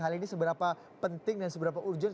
hal ini seberapa penting dan seberapa urgent